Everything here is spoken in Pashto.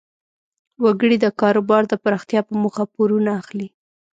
وګړي د کاروبار د پراختیا په موخه پورونه اخلي.